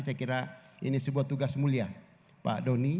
saya kira ini sebuah tugas mulia pak doni